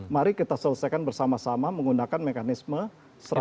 mari kita selesaikan bersama sama menggunakan mekanisme seratus bulan